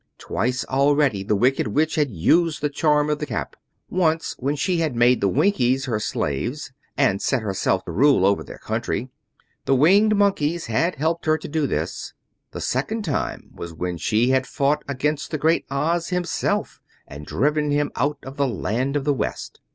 Twice already the Wicked Witch had used the charm of the Cap. Once was when she had made the Winkies her slaves, and set herself to rule over their country. The Winged Monkeys had helped her do this. The second time was when she had fought against the Great Oz himself, and driven him out of the land of the West.